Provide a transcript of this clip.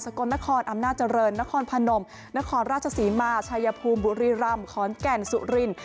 กลนครอำนาจเจริญนครพนมนครราชศรีมาชายภูมิบุรีรำขอนแก่นสุริน